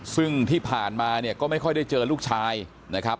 ซึ่งที่ผ่านมาเนี่ยก็ไม่ค่อยได้เจอลูกชายนะครับ